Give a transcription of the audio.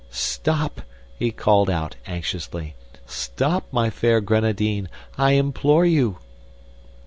"Stop!" he called our, anxiously; "stop, my fair Grenadine, I implore you!"